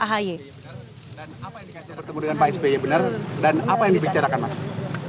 dan apa yang dikacau bertemu dengan pak sby benar dan apa yang dibicarakan mas